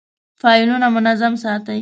فایلونه منظم ساتئ؟